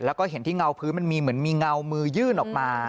เสียหายเซทัวท์ผื้นมันมีเหมือนมีเงามือยื่นออกมา